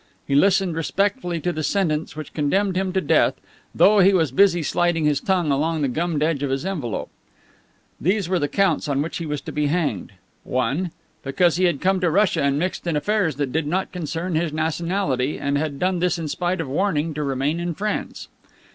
He listened respectfully to the sentence which condemned him to death, though he was busy sliding his tongue along the gummed edge of his envelope. These were the counts on which he was to be hanged: 1. Because he had come to Russia and mixed in affairs that did not concern his nationality, and had done this in spite of warning to remain in France.